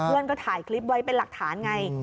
เพื่อนก็ถ่ายคลิปไว้เป็นหลักฐานไง